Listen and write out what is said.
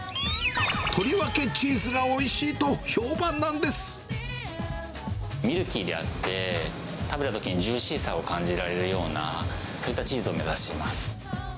とりわけチーズがおいしいと評判ミルキーであって、食べたときにジューシーさを感じられるような、そういったチーズを目指しています。